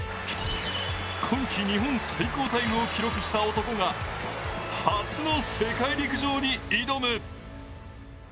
今季日本最高タイムを記録した男が、初の世界陸上に挑む。